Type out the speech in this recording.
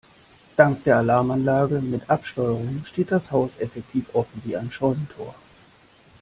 Dank der Alarmanlage mit App-Steuerung steht das Haus effektiv offen wie ein Scheunentor.